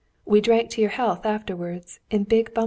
We drank your health afterwards in big bumpers."